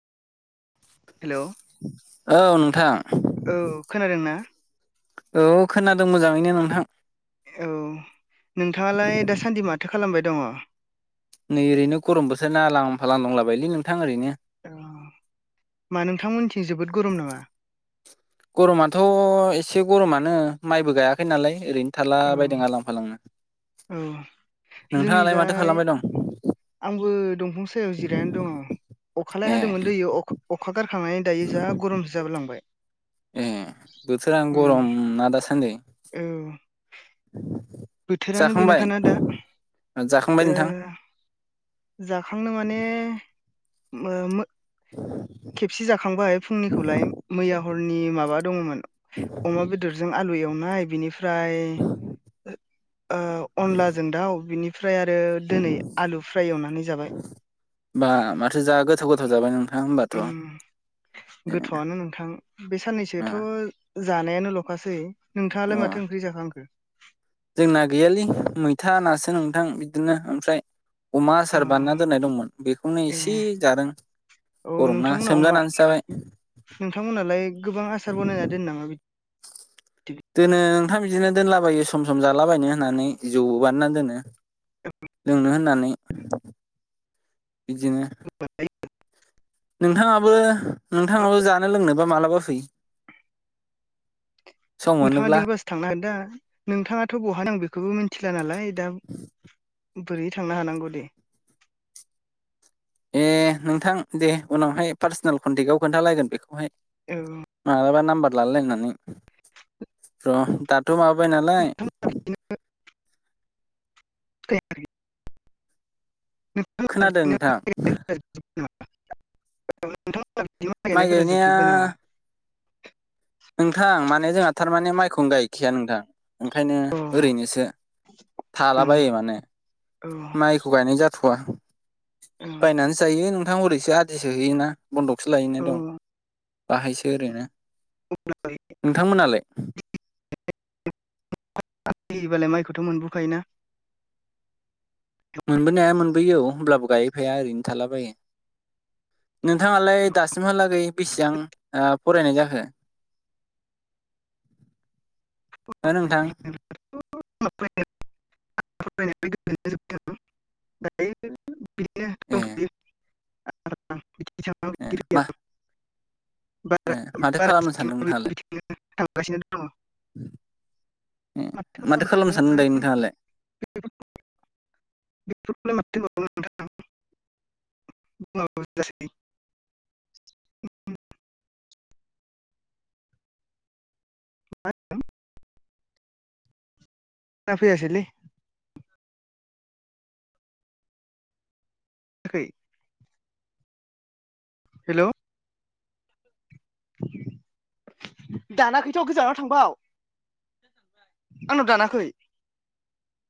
हेल' औ नोंथां औ खोनादों ना औ खोनादों मोजाङैनो नोंथां औ नोंथाङालाय दासान्दि माथो खालामबाय दङ? नै ओरैनो गरम बोथोर ना आलां फालां दंलाबायलै नोंथां ओरैनो औ मा नोंथांमोनथिं जोबोद गरम नामा? गरमाथ' एसे गरमानो माइबो गायाखै नालाय ओरैनो थाला औ बायदों आलां फालांनो औ जोंनि नोंथाङालाय माथो जाय खालामबाय दं आंबो दंफां सायाव जिरायनानै दङ अखालाय ए हादोंमोन दै अखा अखा गारखांनानै दायो जा गरमसो जाबोलांबाय ए बोथोरानो उम गरम ना दासान्दि औ बोथोरानो जाखांबाय बेनोखाना दा जाखांबाय ओ नोंथां जाखांनो माने ओ मो खेबसे जाखांबाय फुंनिखौलाय मैया हरनि माबा दङमोन अमा बेदरजों आलु एवनाय बिनिफ्राय। ओ अनलाजों दाउ बिनिफ्राय आरो दिनै आलु फ्राय एवनानै जाबाय। बा माथो जा गोथाव गोथाव जाबाय नों उम गोथावआनो नोंथां बे अ साननैसोथ' जानायानो ल'खासै अ नोंथाङालाय माथो ओंख्रि जाखांखो? जोंना गैयालै मैथा नासो नोंथां बिदिनो ओमफ्राय। अमा अ आसार बानायना दोननाय दंमोन बेखौनो ए एसे जादों। गरमना सोमजानानैसो जाबाय। नोंथांमोनहालाय गोबां आसार बनायना दोनो नामा बिदि दोनो नोंथां बिदिनो दोनलाबायो सम सम जालाबायनो होननानै जौ बानायनानै दोनो। लोंनो होननानै इदिनो। [unintelligible] नोंथाङाबो नोंथाङाबो जानो लोंनोबा मालाबा फै। सम नोंथाङा मोनोब्ला लिंबासो थांनो हागोन दा नोंथाङाथ' बहानि आं बेखौबो मिथिला नालाय दा बोरै थांनो हानांगौ दे। ए नोंथां दे उनावहाय पार्सनेल कनटेक्आव खोन्थालायगोन बेखौहाय। औ। मालाबा नामबार लालायनायनानै। र' दाथ' माबाबाय नालाय। नोंथांमोना [unintelligible] खोनादों नोंथां माइ [unintelligible] गायनाया जोबजुबबाय नामा? नोंथां माने जोंहा थारमाने माइखौनो गायखाया नोंथां। ओंखायनो अ ओरैनोसो ओं थालाबायो माने औ माइखौ गायनाय जा थ'आ। ओं नानै जायो नोंथां ओरैसो आदिसो होयोना बन्दकसो लायैनाय औ दं। बाहायसो आरोना अब्ला नोंथांमोनहालाय? [unintelligible] होयोबालाय माइखौथ' मोनबोखायोना। मोनबोनाया मोनबोयो औ होमब्लाबो गायहैफाया ओरैनो थालाबायो। नोंथाङालाय दासिमहालागै बेसेबां ओ फरायनाय जाखो? [inaudible] हो नोंथां? [inaudible] [unintelligible] [unintelligible] ए ए [unintelligible] मा ए माथो खालामनो सानदों नोंथाङालाय? दंथ'यो थांगासिनो दङ उम माथो खालामनो सानदों दायो नोंथाङालाय? [unintelligible] [unintelligible] [unintelligible] खोना फैयासैलै। [unintelligible] हेल'। दाना खैथ' गोजानाव थांबाव। आंनाव दानाखै।